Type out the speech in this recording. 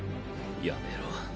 やめろ。